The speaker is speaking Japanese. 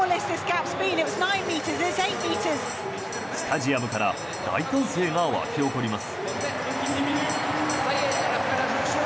スタジアムから大歓声が沸き起こります。